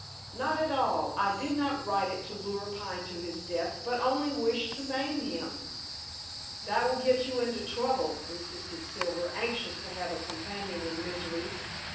"Not at all. I did not write it to lure Pine to his death, but only wished to maim him." "That will get you into trouble," insisted Silver, anxious to have a companion in misery.